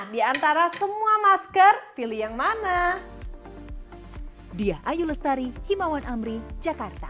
diantara semua masker pilih yang mana dia ayu lestari himawan amri jakarta